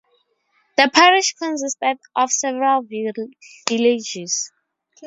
The parish consisted of several villages.